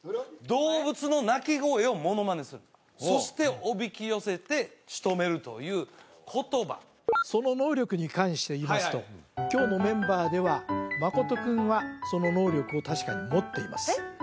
動物の鳴き声をモノマネするそしておびき寄せて仕留めるという言葉その能力に関していいますと今日のメンバーでは真君はその能力を確かに持っていますえっ？